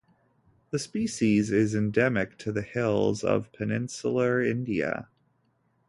The species is endemic to hills of peninsular India.